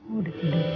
udah tidur ya